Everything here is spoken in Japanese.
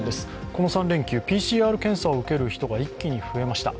この３連休、ＰＣＲ検査を受ける人が一気に増えました。